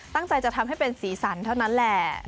ตั้งใจจะทำให้เป็นสีสันเท่านั้นแหละ